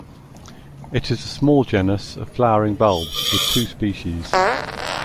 It is a small genus of flowering bulbs, with two species.